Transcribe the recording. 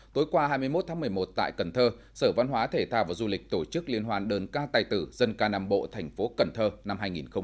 tối qua hai mươi một tháng một mươi một tại cần thơ sở văn hóa thể thao và du lịch tổ chức liên hoan đơn ca tài tử dân ca nam bộ thành phố cần thơ năm hai nghìn một mươi chín